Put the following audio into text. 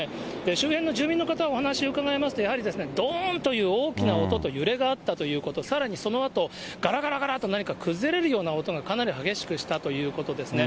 周辺の住民の方、お話伺いますと、やはりどーんという大きな音と揺れがあったということ、さらにそのあと、がらがらがらっと何か崩れるような音がかなり激しくしたということですね。